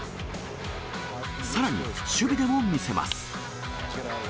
さらに、守備でも見せます。